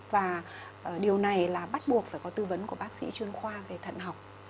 và điều này là bắt buộc phải có tư vấn của bác sĩ chuyên khoa về thận học